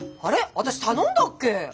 私頼んだっけ？